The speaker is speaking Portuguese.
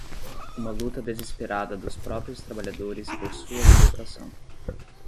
uma luta desesperada dos próprios trabalhadores por sua libertação